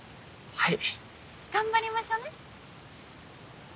はい。